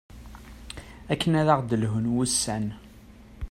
akken ad aɣ-d-lhun wussan